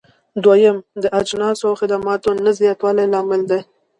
دويم: د اجناسو او خدماتو نه زیاتوالی لامل دی.